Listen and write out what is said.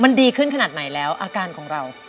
มันดีขึ้นขนาดไหนแล้วอาการของเรา